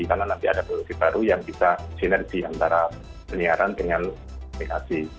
karena nanti ada produksi baru yang bisa sinergi antara penyiaran dengan telekomunikasi